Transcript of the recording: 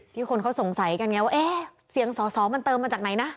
คนเขาสงสัยกันไงว่าเอ๊ะเสียงสอสอมันเติมมาจากไหนนะ